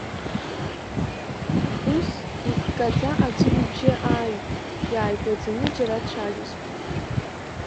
Ус, иккаӡа аӡәы ибжьы ааҩит, иааигәаӡаны џьара дцәажәозшәа.